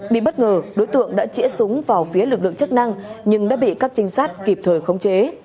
bị bất ngờ đối tượng đã chỉa súng vào phía lực lượng chức năng nhưng đã bị các trinh sát kịp thời khống chế